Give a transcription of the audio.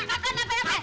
kagak apa apa eh